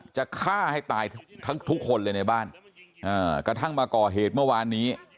จะฆ่าให้ตายทั้งทุกคนเลยในบ้านกระทั่งมาก่อเหตุเมื่อวานนี้